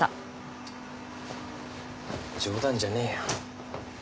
冗談じゃねえよ。